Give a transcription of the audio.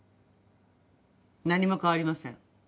何も変わりません